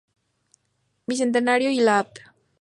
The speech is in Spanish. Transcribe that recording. Bicentenario y la Av.